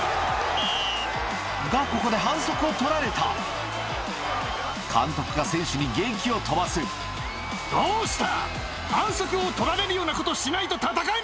がここで反則を取られた監督が選手にげきを飛ばすどうした！